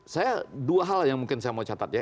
saya dua hal yang mungkin saya mau catat ya